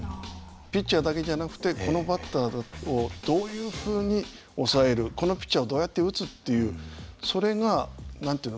ピッチャーだけじゃなくてこのバッターをどういうふうに抑えるこのピッチャーをどうやって打つっていうそれが何て言うの？